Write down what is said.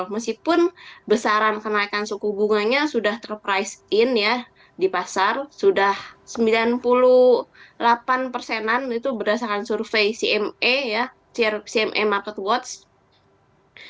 meskipun besaran kenaikan suku bunganya sudah ter price in ya di pasar sudah sembilan puluh delapan persenan itu berdasarkan survei cme ya cme market watch